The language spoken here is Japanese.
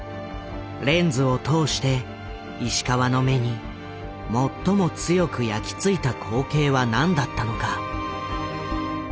レンズを通して石川の目に最も強く焼き付いた光景は何だったのか。